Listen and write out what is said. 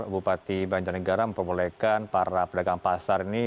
bupati banjarnegara memperbolehkan para pedagang pasar ini